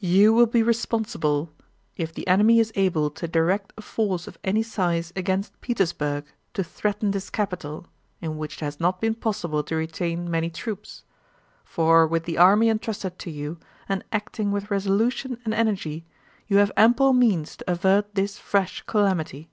You will be responsible if the enemy is able to direct a force of any size against Petersburg to threaten this capital in which it has not been possible to retain many troops; for with the army entrusted to you, and acting with resolution and energy, you have ample means to avert this fresh calamity.